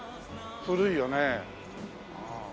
古いよね。